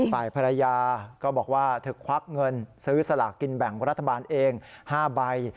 ฝ่ายภรรยาก็บอกว่าเธอควักเงินซื้อสลากกินแบ่งรัฐบาลเอง๕ใบ